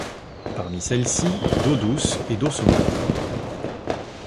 Parmi celles-ci, d'eau douce et d'eau saumâtre.